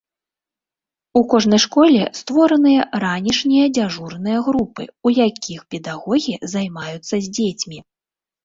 У кожнай школе створаны ранішнія дзяжурныя групы, у якіх педагогі займаюцца з дзецьмі.